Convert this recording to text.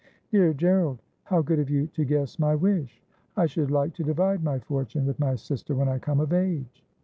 ' Dear Gerald, how good of you to guess my wish ! I should like to divide my fortune with my sister when I come of age.